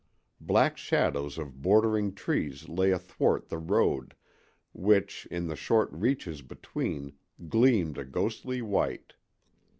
Black shadows of bordering trees lay athwart the road, which, in the short reaches between, gleamed a ghostly white.